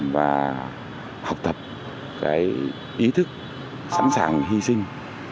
và học tập cái ý thức sẵn sàng hy sinh